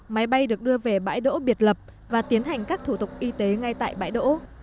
máy bay được đưa về bãi đỗ biệt lập và tiến hành các thủ tục y tế ngay tại bãi đỗ